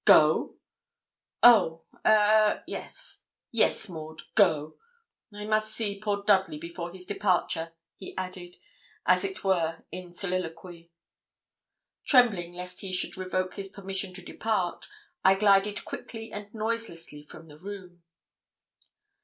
'Go? oh! a yes yes, Maud go. I must see poor Dudley before his departure,' he added, as it were, in soliloquy. Trembling lest he should revoke his permission to depart, I glided quickly and noiselessly from the room.